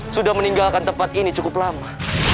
sudah meninggalkan tempat ini cukup lama